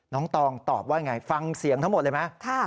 ตองตอบว่าอย่างไรฟังเสียงทั้งหมดเลยไหม